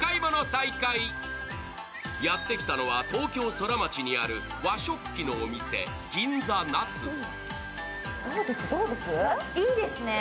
ふってきたのは東京ソラマチにある和食器のお店、銀座夏野。